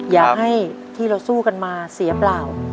อย่าให้ที่เราสู้กันมาเสียเปล่า